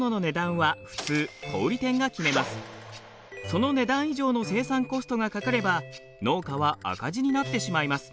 その値段以上の生産コストがかかれば農家は赤字になってしまいます。